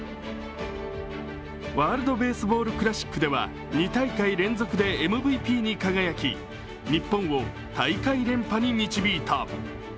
ワールド・ベースボール・クラシックでは２大会連続でＭＶＰに輝き日本を大会連覇に導いた。